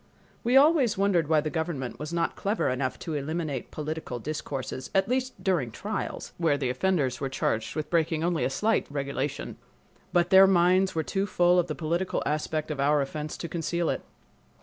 We always wondered why the government was not clever enough to eliminate political discourses, at least during trials, where the offenders were charged with breaking a slight regulation. But their minds were too full of the political aspect of our offense to conceal it.